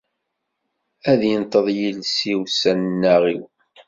Ad inṭeḍ yiles-iw s aneɣ-iw.